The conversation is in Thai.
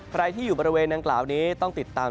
ใครที่อยู่บริเวณดังกล่าวนี้ต้องติดตาม